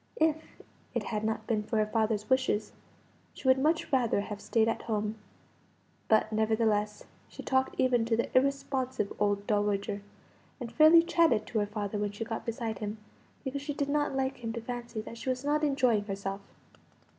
If it had not been for her father's wishes she would much rather have stayed at home; but, nevertheless, she talked even to the irresponsive old dowager, and fairly chatted to her father when she got beside him, because she did not like him to fancy that she was not enjoying herself.